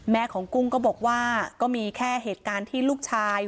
ของกุ้งก็บอกว่าก็มีแค่เหตุการณ์ที่ลูกชาย